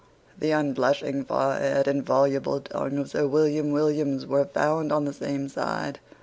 The unblushing forehead and voluble tongue of Sir William Williams were found on the same side.